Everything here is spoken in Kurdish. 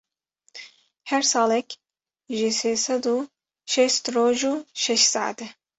Her salek jî sê sed û şêst roj û şeş seat e.